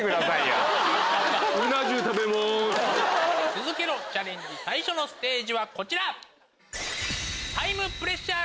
ツヅケロチャレンジ最初のステージはこちら！